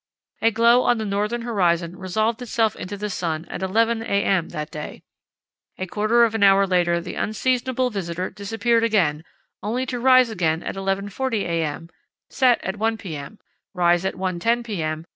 A glow on the northern horizon resolved itself into the sun at 11 a.m. that day. A quarter of an hour later the unseasonable visitor disappeared again, only to rise again at 11.40 a.m., set at 1 p.m., rise at 1.10 p.m.